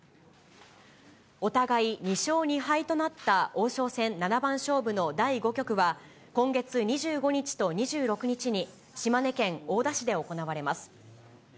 お互い２勝２敗となった王将戦七番勝負の第５局は、今月２５日と２６日に、島根県大田市で行われます。